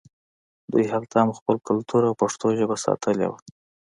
دوی هلته هم خپل کلتور او پښتو ژبه ساتلې وه